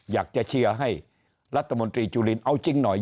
อยากจะเชียร์ให้รัฐมนตรีจุลินเอาจริงหน่อย